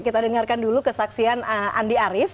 kita dengarkan dulu kesaksian andi arief